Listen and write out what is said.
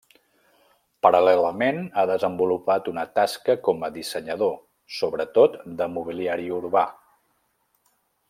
Paral·lelament ha desenvolupat una tasca com a dissenyador sobretot de mobiliari urbà.